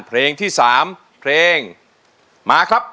เพลงที่๓เพลงมาครับ